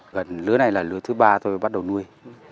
gần lứa này là lứa thứ ba tôi bắt đầu nuôi